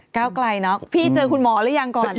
ก้าวไกลเนอะพี่เจอคุณหมอหรือยังก่อน